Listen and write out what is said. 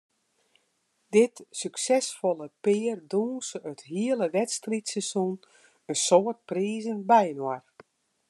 Dit suksesfolle pear dûnse it hiele wedstriidseizoen in soad prizen byinoar.